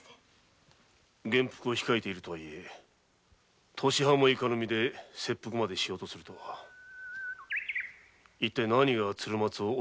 元服を控えているとはいえ年端もいかぬ身で切腹までしようとするとは一体何が鶴松を追いつめたのだ？